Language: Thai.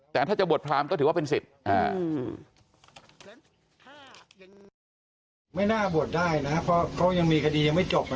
แต่ถ้าจะบวชพรามก็ถือว่าเป็นสิทธิ์